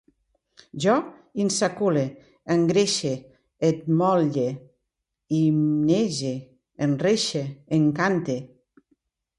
Jo insacule, engreixe, emmotle, himnege, enreixe, encante